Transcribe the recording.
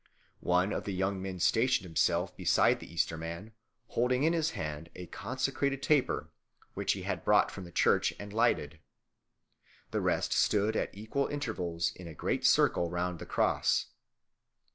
One of the young men stationed himself beside the Easter Man, holding in his hand a consecrated taper which he had brought from the church and lighted. The rest stood at equal intervals in a great circle round the cross.